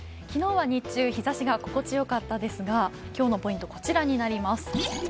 昨日は日中、日ざしが心地よかったですが、今日のポイント、こちらになります